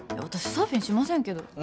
私サーフィンしませんけど